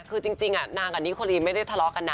คือจริงนางกับนิโคลีไม่ได้ทะเลาะกันนะ